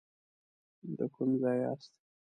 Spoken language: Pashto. د کوم ځای یاست.